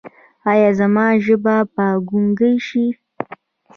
ایا زما ژبه به ګونګۍ شي؟